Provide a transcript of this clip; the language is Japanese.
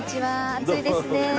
暑いですね。